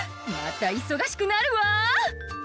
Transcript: またいそがしくなるわ！